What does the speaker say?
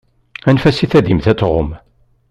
Anef-as i tadimt ad tɣumm.